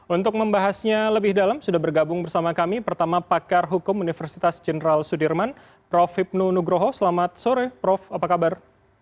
untuk membahasnya lebih dalam sudah bergabung bersama kami pertama pakar hukum universitas jenderal sudirman prof hipnu nugroho selamat sore prof apa kabar